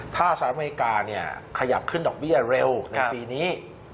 ถ้าสหรัฐอเมริกาเนี่ยขยับขึ้นดอกเบี้ยเร็วในปีนี้